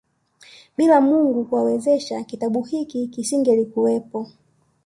Bila Mungu kuwawezesha kitabu hiki kisingelikuwepo